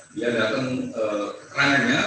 dia datang keterangannya